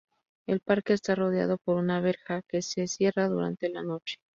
El parque está rodeado por una verja que se cierra durante la noche.